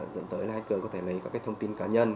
dẫn tới là hacker có thể lấy các cái thông tin cá nhân